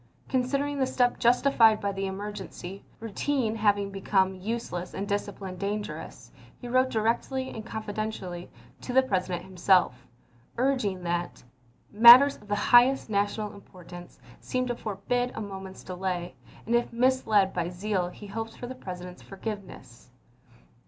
Considering the step justified by the emergency, routine having become useless and discipline dangerous, he wrote directly and con fidentially to the President himself, urging that " matters of the highest national importance seem to forbid a moment's delay, and if misled by zeal he hopes for the President's forgiveness.